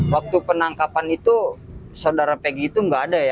waktu penangkapan itu saudara pegi itu nggak ada ya